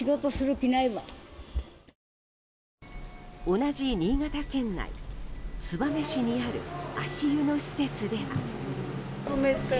同じ新潟県内燕市にある足湯の施設では。